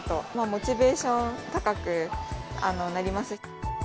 モチベーション高くなります。